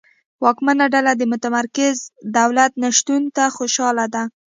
واکمنه ډله د متمرکز دولت نشتون ته خوشاله ده.